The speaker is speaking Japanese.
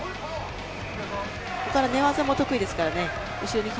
ここから寝技も得意ですからね。